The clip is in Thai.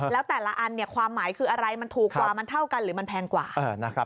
แล้วแต่ละอันความหมายคืออะไรมันถูกกว่ามันเท่ากันหรือมันแพงกว่านะครับ